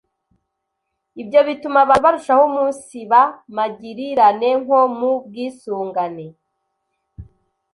Ibyo bituma abantu barushaho umunsiba magirirane nko mu bwisungane,